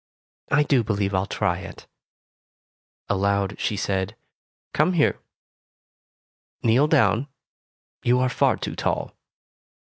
I do believe I'll try it." Aloud, she said, ''Come here. Kneel down. You are far too tall."